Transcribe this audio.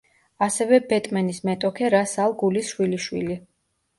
ასევე ბეტმენის მეტოქე რას ალ გულის შვილიშვილი.